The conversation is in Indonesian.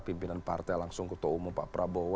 pimpinan partai langsung ketua umum pak prabowo